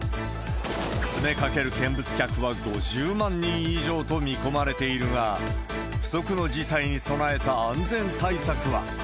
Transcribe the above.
詰めかける見物客は５０万人以上と見込まれているが、不測の事態に備えた安全対策は。